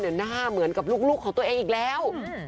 หน้าเหมือนกับลูกของตัวเองอีกแล้ว